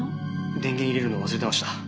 電源入れるの忘れてました。